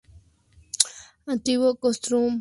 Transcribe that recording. Antiguo castrum galo-romano de Nal